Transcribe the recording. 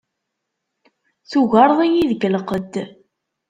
Tugareḍ-iyi deg lqedd.